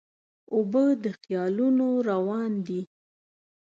اوبه د خیالونو روان دي.